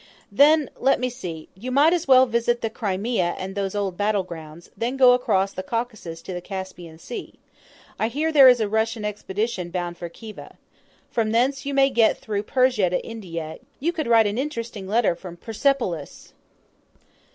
"Then let me see you might as well visit the Crimea and those old battle grounds, Then go across the Caucasus to the Caspian Sea; I hear there is a Russian expedition bound for Khiva. From thence you may get through Persia to India; you could write an interesting letter from Persepolis.